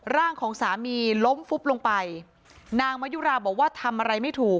ร่างของสามีล้มฟุบลงไปนางมายุราบอกว่าทำอะไรไม่ถูก